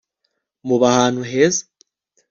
muba ahantu heza